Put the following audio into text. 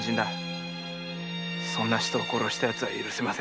そんな人を殺したやつは許せません。